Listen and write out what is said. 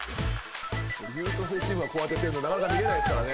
優等生チームがこうやってるのなかなか見れないですからね。